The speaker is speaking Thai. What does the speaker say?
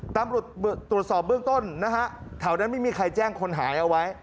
ตรวจสอบเบื้องต้นถาวนั้นไม่มีใครแจ้งคนหายเอาไว้